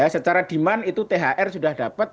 secara demand itu thr sudah dapat